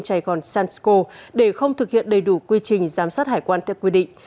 sài gòn transco để không thực hiện đầy đủ quy trình giám sát hải quan theo quy định